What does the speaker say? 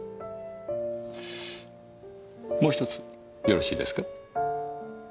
もう１つよろしいですか？